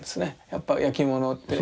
やっぱ焼き物って。